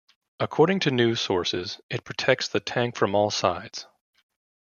According to news sources, it protects the tank from all sides.